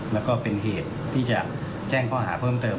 แล้วก็เป็นเหตุที่จะแจ้งข้อหาเพิ่มเติม